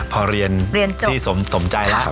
พอเรียนจบที่สมใจแล้ว